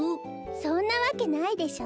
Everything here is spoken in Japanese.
そんなわけないでしょ。